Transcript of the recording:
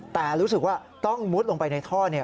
แต่รู้สึกว่าต้องมุดลงไปในท่อเนี่ย